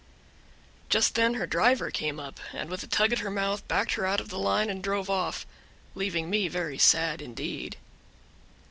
Just then her driver came up, and with a tug at her mouth backed her out of the line and drove off, leaving me very sad indeed.